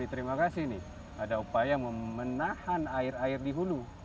terima kasih nih ada upaya memenahan air air di hulu